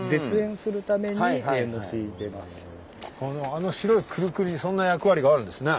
あの白いクルクルにそんな役割があるんですね。